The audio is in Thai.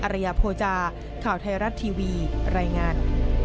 อรยพจาข่าวไทยรัตน์ทีวีรายงาน